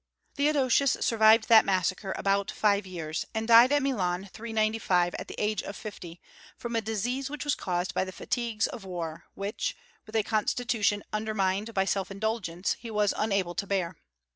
Theodosius survived that massacre about five years, and died at Milan, 395, at the age of fifty, from a disease which was caused by the fatigues of war, which, with a constitution undermined by self indulgence, he was unable to bear.